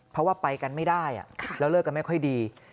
เพราะว่าไปกันไม่ได้แล้วเลิกกันไม่ค่อยดี